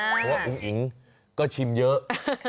เพราะว่าอุ้งอิ๋งก็ชิมเยอะ